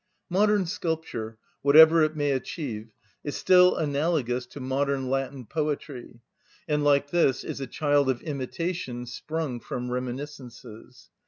Modern sculpture, whatever it may achieve, is still analogous to modern Latin poetry, and, like this, is a child of imitation, sprung from reminiscences.